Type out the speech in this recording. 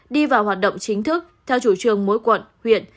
đi vào hoạt động chính thức theo chủ trương mỗi quận huyện